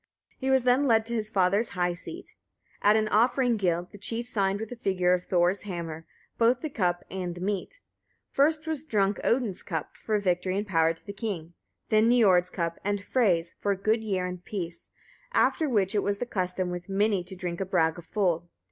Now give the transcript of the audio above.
He was then led to his father's high seat. At an offering guild, the chief signed with the figure of Thor's hammer both the cup and the meat. First was drunk Odin's cup, for victory and power to the king; then Niord's cup, and Frey's, for a good year and peace; after which it was the custom with many to drink a Bragafull.